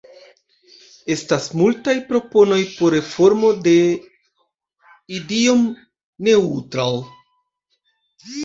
Estas multaj proponoj por reformo de Idiom-Neutral.